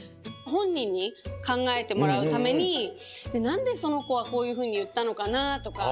ほんにんにかんがえてもらうためになんでそのこはこういうふうにいったのかなとか。